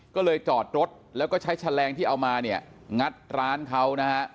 ก็เลยจอดรถแล้วก็ใช้แฉลงที่เอามาเนี่ยงัดร้านเขานะฮะ